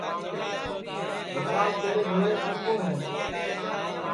وشال تیرے بھیݪے کُوٹؔ کُوٹؔ ہے